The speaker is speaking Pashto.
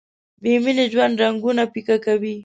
بې مینې ژوند رنګونه پیکه کوي.